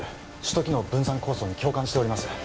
首都機能分散構想に共感しております